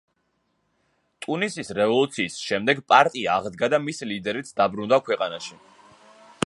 ტუნისის რევოლუციის შემდეგ პარტია აღდგა და მისი ლიდერიც დაბრუნდა ქვეყანაში.